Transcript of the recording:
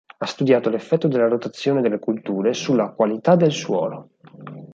Ha studiato l'effetto della rotazione delle colture sulla qualità del suolo.